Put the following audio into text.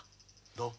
どう？